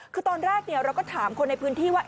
คือตอนแรกเราก็ถามคนในพื้นที่ว่า